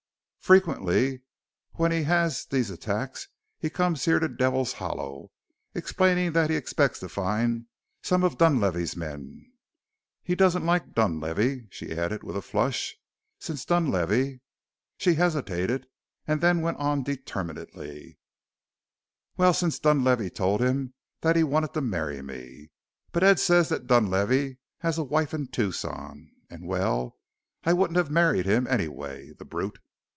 Frequently when he has these attacks he comes here to Devil's Hollow, explaining that he expects to find some of Dunlavey's men. He doesn't like Dunlavey," she added with a flush, "since Dunlavey " She hesitated and then went on determinedly "well, since Dunlavey told him that he wanted to marry me. But Ed says that Dunlavey has a wife in Tucson and well, I wouldn't have married him anyway the brute!"